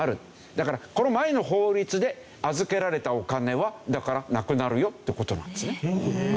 だからこの前の法律で預けられたお金はだからなくなるよって事なんですね。